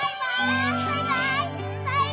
バイバイ！